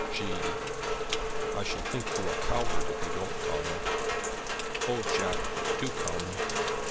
"G. "I shall think you a coward if you don't come. Oh, Jack, do come."